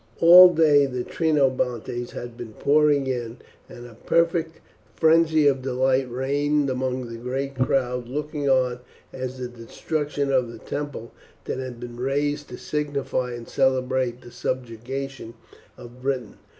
All day the Trinobantes had been pouring in, and a perfect frenzy of delight reigned among the great crowd looking on at the destruction of the temple that had been raised to signify and celebrate the subjugation of Britain.